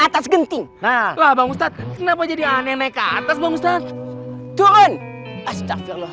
atas genting nah lah bang ustadz kenapa jadi aneh aneh ke atas bang ustadz turun astagfirullah